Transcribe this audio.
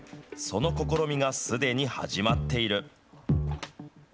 その試みがすでに始まっている。